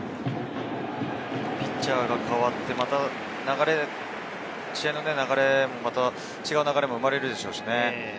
ピッチャーが代わってまた、試合の流れが違う流れが生まれるでしょうしね。